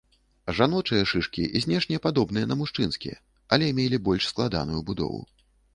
Жаночыя шышкі знешне падобныя на мужчынскія, але мелі больш складаную будову.